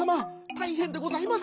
たいへんでございます。